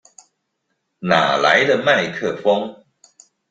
哪來的麥克風